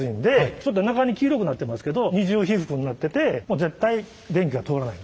ちょっと中に黄色くなってますけど二重被覆になってて絶対電気が通らないと。